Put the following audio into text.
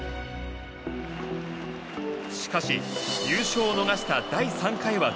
しかし優勝を逃した第３回は０。